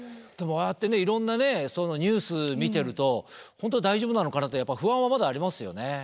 でもああやってねいろんなニュース見てると本当に大丈夫なのかなってやっぱ不安はまだありますよね。